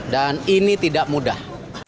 dan ini tidak mudah